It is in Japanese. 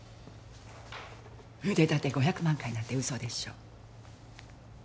腕立て５００万回なんて嘘でしょ